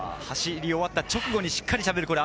走り終わった直後にしっかりしゃべる。